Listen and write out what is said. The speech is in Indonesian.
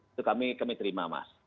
itu kami terima mas